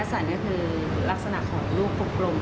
พัดสรรคือลักษณะของลูกปลูกกลม